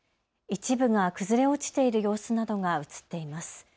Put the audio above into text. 一部が崩れ落ちている様子などが写っています。